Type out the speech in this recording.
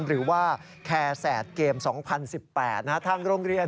หรือว่าแคร์แสดเกม๒๐๑๘ทางโรงเรียน